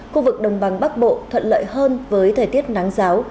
khu vực đồng bằng bắc bộ thuận lợi hơn với thời tiết nắng giáo